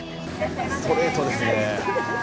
ストレートですね。